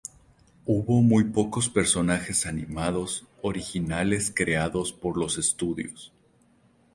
Hubo muy pocos personajes animados originales creados por los estudios.